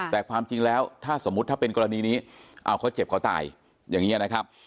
แต่ความจริงแล้วถ้าสมมุติถ้าเป็นกรณีนี้เขาเจ็บเขาตายอย่างนี้นะครับ